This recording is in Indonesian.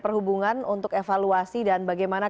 perhubungan untuk evaluasi dan bagaimana